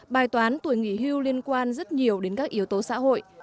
bài toán tuổi nghỉ hưu liên quan rất nhiều đến các yếu tố xã hội